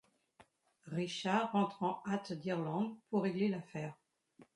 Richard rentre en hâte d'Irlande pour régler l'affaire.